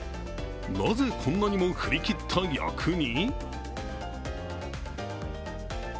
なぜこんなにも振り切った訳に？